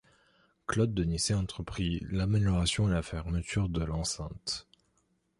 Claude de Nicey entreprit l'amélioration et la fermeture de l'enceinte.